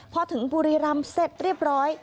พอถึงบุรีรำเสร็จเรียบร้อย